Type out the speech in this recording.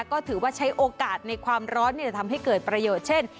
ก็ถือว่าใช้โอกาสในความร้อนทำให้เกิดประโยชน์เช่น